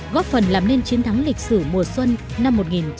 góp phần làm nên chiến thắng lịch sử mùa xuân năm một nghìn chín trăm bảy mươi năm